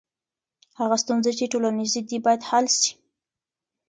هغه ستونزي چي ټولنیزي دي باید حل سي.